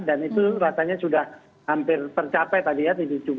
dan itu rasanya sudah hampir tercapai tadi ya